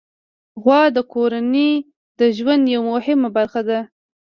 غوا د کورنۍ د ژوند یوه مهمه برخه ده.